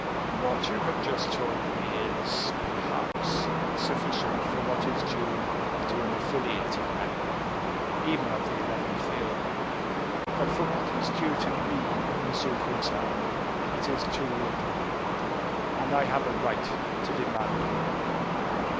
"What you have just told me is, perhaps, sufficient for what is due to an affiliated member, even of the eleventh year; but for what is due to me, Monsieur Grisart, it is too little, and I have a right to demand more.